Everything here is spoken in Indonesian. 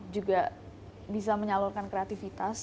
juga bisa menyalurkan kreativitas